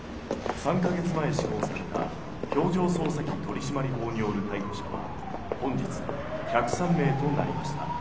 ３か月前施行された表情操作機取締法による逮捕者は本日１０３名となりました。